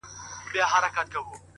دا هوښیار چي دی له نورو حیوانانو,